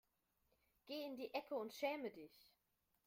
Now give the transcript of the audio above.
Geh in die Ecke und schäme dich.